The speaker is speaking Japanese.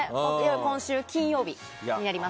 今週金曜日にやります。